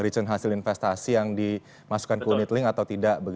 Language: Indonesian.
untuk menghasil investasi yang dimasukkan ke unitlink atau tidak